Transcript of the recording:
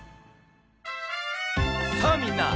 さあみんな！